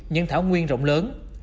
những thảo nguyên rộng lớn